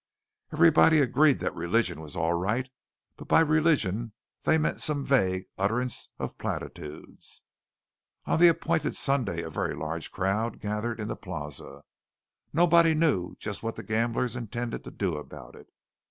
Everybody agreed that religion was all right; but by religion they meant some vague utterance of platitudes. On the appointed Sunday a very large crowd gathered in the Plaza. Nobody knew just what the gamblers intended to do about it.